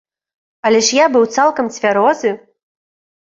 Але ж я быў цалкам цвярозы!